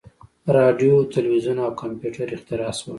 • راډیو، تلویزیون او کمپیوټر اختراع شول.